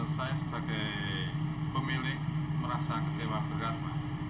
saya sebagai pemilik merasa kecewa berat